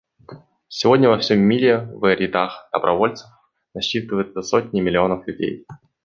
Сегодня во всем мире в рядах добровольцев насчитывается сотни миллионов людей.